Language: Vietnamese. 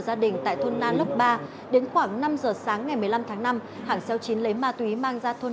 gia đình tại thôn na lốc ba đến khoảng năm giờ sáng ngày một mươi năm tháng năm hẳng xeo chín lấy ma túy mang ra thôn